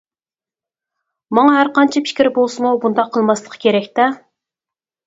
ماڭا ھەرقانچە پىكرى بولسىمۇ بۇنداق قىلماسلىقى كېرەكتە؟ !